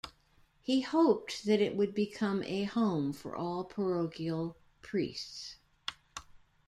He hoped that it would become a home for all parochial priests.